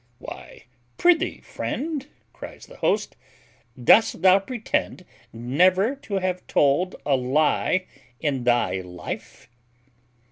"Why, prithee, friend," cries the host, "dost thou pretend never to have told a lye in thy life?"